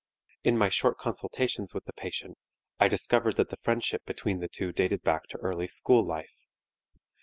In my short consultations with the patient, I discovered that the friendship between the two dated back to early school life.